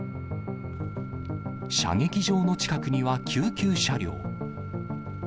射撃場の近くには救急車両。